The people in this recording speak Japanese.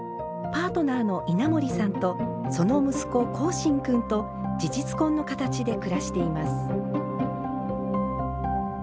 パートナーの稲森さんとその息子コウシンくんと事実婚の形で暮らしています。